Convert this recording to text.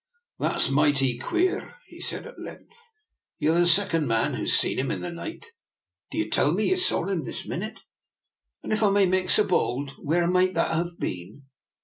" That's mighty queer," he said at length. " Ye're the second mon who's seen him the night. D'ye tell me ye saw him this meenit? And if I may make so bold, where might that have been?